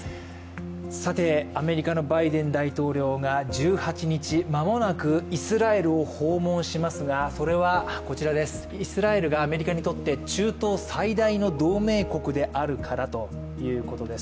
アメリカのバイデン大統領が１８日、まもなくイスラエルを訪問しますがそれはこちらです、イスラエルがアメリカにとって中東最大の同盟国であるからということになります。